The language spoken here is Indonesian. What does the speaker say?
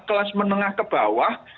kelas menengah ke bawah